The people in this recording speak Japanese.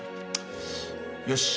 よし。